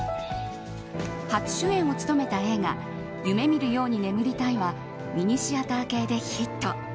初主演を務めた映画「夢みるように眠りたい」はミニシアター系でヒット。